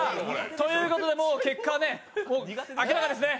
ということで、もう結果は明らかですね。